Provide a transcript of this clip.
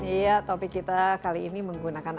iya topik kita kali ini menggunakan